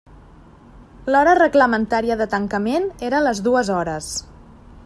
L'hora reglamentària de tancament era les dues hores.